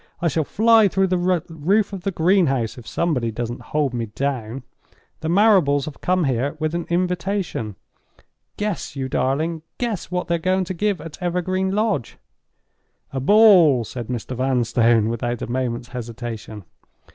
"I shall fly through the roof of the greenhouse if somebody doesn't hold me down. The Marrables have come here with an invitation. Guess, you darling—guess what they're going to give at Evergreen Lodge!" "A ball!" said Mr. Vanstone, without a moment's hesitation.